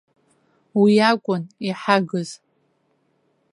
Уи акәын иҳагыз!